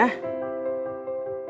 udah taruh aja sini